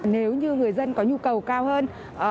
nếu như người dân có nhu cầu cao hơn